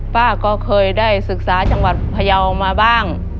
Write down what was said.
ป้าก็เคยได้ศึกษาจังหวัดพยาวมาบ้าง